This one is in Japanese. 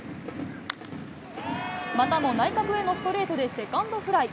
またも内角へのストレートでセカンドフライ。